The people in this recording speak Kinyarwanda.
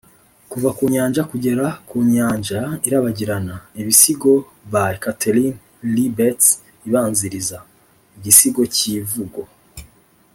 kuva ku nyanja kugera ku nyanja irabagirana!...bisigo by katharine lee bates: ibanziriza. igisigo cyivugo »